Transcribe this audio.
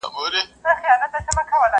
که پر سد که لېوني دي ټول په کاڼو سره ولي!!